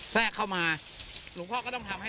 แทรกเข้ามาหลวงพ่อก็ต้องทำให้